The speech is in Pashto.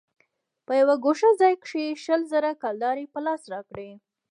په يوه گوښه ځاى کښې يې شل زره کلدارې په لاس راکړې.